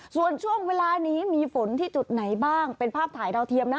ส่วนช่วงเวลานี้มีฝนที่จุดไหนบ้างเป็นภาพถ่ายดาวเทียมนะ